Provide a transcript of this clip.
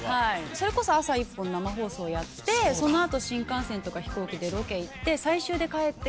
それこそ朝１本生放送やってその後新幹線とか飛行機でロケ行って最終で帰って来て